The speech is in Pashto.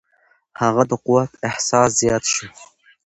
هغه د قوت احساس زیات شو.